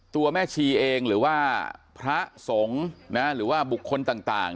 แม่ชีเองหรือว่าพระสงฆ์หรือว่าบุคคลต่าง